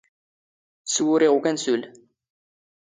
ⵙⵡⵓⵔⵉⵖ ⵓⴽⴰⵏ ⵙⵓⵍ.